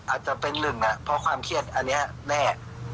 อาจจะเป็นหนึ่งเพราะความเครียดอันนี้แน่